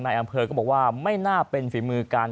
อำเภอก็บอกว่าไม่น่าเป็นฝีมือการ